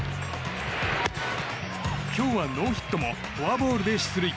今日はノーヒットもフォアボールで出塁。